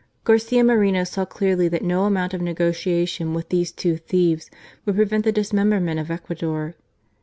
♦Garcia Moreno saw clearly that no amount of nego tiation with these two thieves would prevent the dismemberment of Ecuador.